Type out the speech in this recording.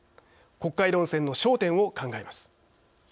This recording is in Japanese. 国会論戦の焦点を考えます。